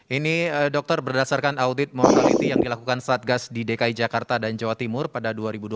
ini dokter berdasarkan audit mortality yang dilakukan satgas di dki jakarta dan jawa timur pada dua ribu dua puluh